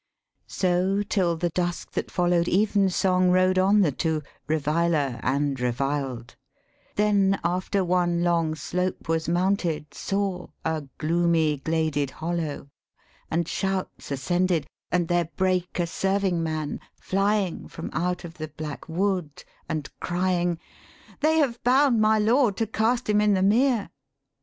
So till the dusk that follow'd evensong Rode on the two, reviler and reviled; 188 EPIC POETRY Then after one long slope was mounted, saw, A gloomy gladed hollow; and shouts Ascended, and there brake a servingman Flying from out of the black wood, and crying, 'They have bound my lord to cast him in the mere.'